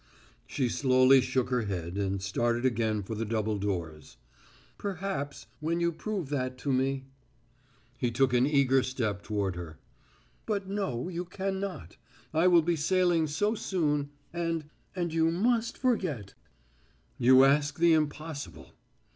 She slowly shook her head and started again for the double doors. "Perhaps when you prove that to me ." He took an eager step toward her. "But, no, you can not. I will be sailing so soon, and and you must forget." "You ask the impossible!"